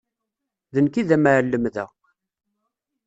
D nekk i d amɛellem da.